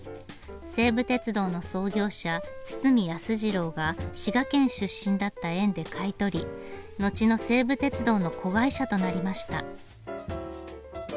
西武鉄道の創業者堤康次郎が滋賀県出身だった縁で買い取り後の西武鉄道の子会社となりました。